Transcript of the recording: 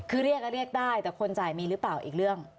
คือเรียกก็เรียกได้แต่คนจ่ายมีหรือเปล่าอีกเรื่อง